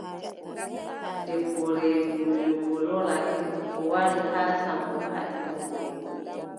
Debbo reeduujo go loorake, o wari haa Sammbo haɓɓino go.